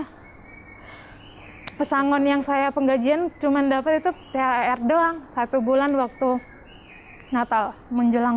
hai pesangon yang saya penggajian cuman dapat itu pr doang satu bulan waktu natal menjelang